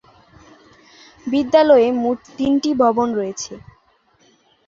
বিদ্যালয়ে মোট তিনটি ভবন রয়েছে।